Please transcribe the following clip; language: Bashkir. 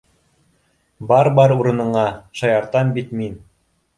- Бар, бар урыныңа, шаяртам бит мин